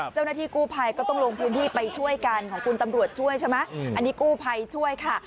เจ้าหน้าที่กู้ภัยก็ต้องลงพื้นที่ไปช่วยกันของคุณตำรวจช่วยใช่ไหมอันนี้กู้ภัยช่วยค่ะ